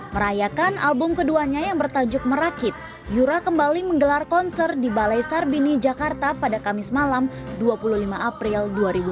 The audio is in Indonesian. merayakan album keduanya yang bertajuk merakit yura kembali menggelar konser di balai sarbini jakarta pada kamis malam dua puluh lima april dua ribu dua puluh